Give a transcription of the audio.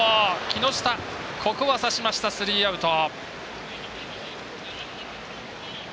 木下、ここは刺しましたスリーアウト。